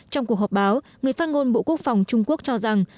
trong cuộc họp báo người phát ngôn bộ quốc phòng trung quốc cho rằng